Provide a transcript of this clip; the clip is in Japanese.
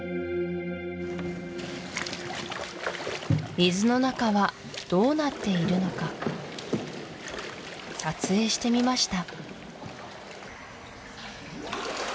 水の中はどうなっているのか撮影してみました